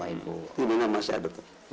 ibu nya masih ada tuh